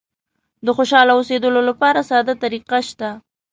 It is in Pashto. د خوشاله اوسېدلو لپاره ساده طریقه شته.